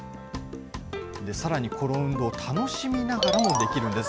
さらにこの運動、楽しみながらもできるんです。